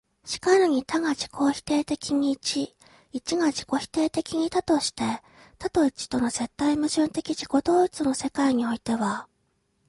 然るに多が自己否定的に一、一が自己否定的に多として、多と一との絶対矛盾的自己同一の世界においては、